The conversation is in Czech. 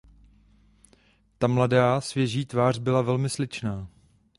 Ta mladá, svěží tvář byla velmi sličná.